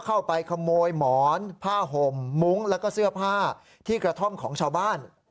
เข้าไปขโมยหมอนผ้าห่มมุ้งแล้วก็เสื้อผ้าที่กระท่อมของชาวบ้าน